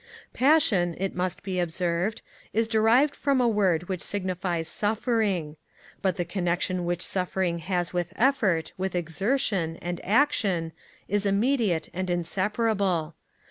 Passion, it must be observed, is derived from a word which signifies suffering; but the connexion which suffering has with effort, with exertion, and action, is immediate and inseparable.